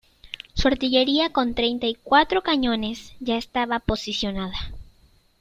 Su artillería, con treinta y cuatro cañones, ya estaba posicionada.